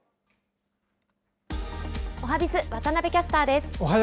おはＢｉｚ、渡部キャスターです。